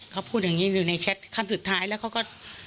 เขาพูดอย่างนี้อยู่ในแชทคำสุดท้ายแล้วเขาก็